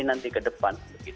nanti ke depan